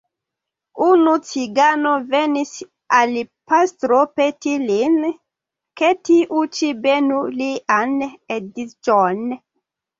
Unu cigano venis al pastro peti lin, ke tiu ĉi benu lian edziĝon.